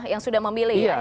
yang sudah memilih ya